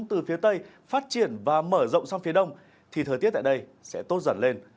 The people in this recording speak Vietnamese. từ phía tây phát triển và mở rộng sang phía đông thì thời tiết tại đây sẽ tốt dần lên